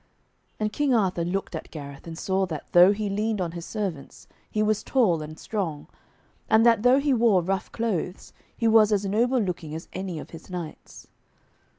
And King Arthur looked at Gareth, and saw that though he leaned on his servants he was tall and strong, and that though he wore rough clothes, he was as noble looking as any of his knights.